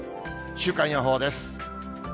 週間予報です。